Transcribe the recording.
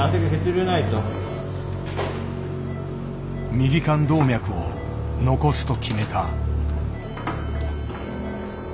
右肝動脈を残すと決めた。